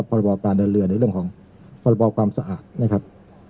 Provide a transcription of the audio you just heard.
พรบการเดินเรือในเรื่องของพรบความสะอาดนะครับ